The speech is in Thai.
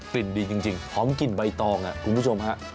่นดีจริงหอมกลิ่นใบตองคุณผู้ชมฮะ